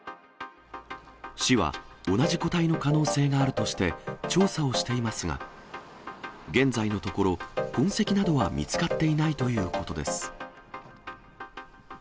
市は同じ個体の可能性があるとして、調査をしていますが、現在のところ、痕跡などは見つかっていないということです。